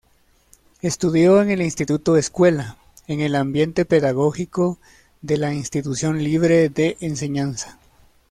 Estudió en el Instituto-Escuela, en el ambiente pedagógico de la Institución Libre de Enseñanza.